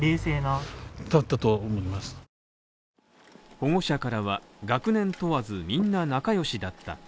保護者からは学年問わずみんな仲良しだった。